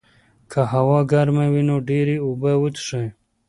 که هوا ګرمه وي، نو ډېرې اوبه وڅښئ.